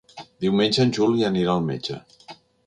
Diumenge en Juli anirà al metge.